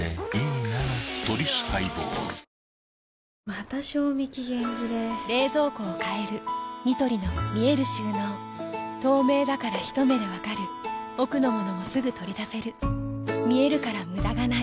また賞味期限切れ冷蔵庫を変えるニトリの見える収納透明だからひと目で分かる奥の物もすぐ取り出せる見えるから無駄がないよし。